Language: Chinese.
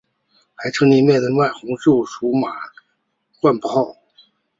还曾面对红袜时击出满贯炮。